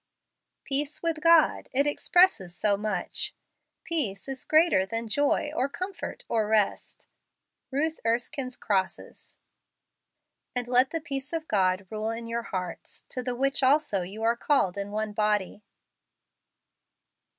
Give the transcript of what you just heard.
Peace with God! " It expresses so much! Peace is greater than joy, or com¬ fort, or rest. Ruth Erskine's Crosses. "And let the peace of God rule in your hearts , to the which also you are called in one body."